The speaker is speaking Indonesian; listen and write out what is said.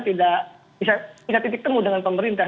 tidak bisa titik temu dengan pemerintah